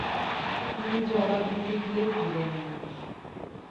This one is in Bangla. তিনি জবাব দিতে গিয়েও দিলেন না।